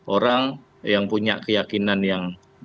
orang yang punya keyakinan yang